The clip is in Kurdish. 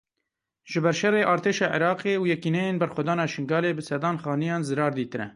Ji ber şerê artêşa Iraqê û Yekîneyên Berxwedana Şingalê bi sedan xaniyan zirar dîtine.